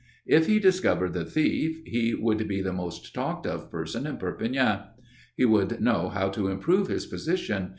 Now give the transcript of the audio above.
If he discovered the thief, he would be the most talked of person in Perpignan. He would know how to improve his position.